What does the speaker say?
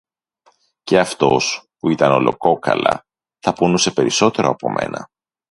Και αυτός, που ήταν όλο κόκαλα, θα πονούσε περισσότερο από μένα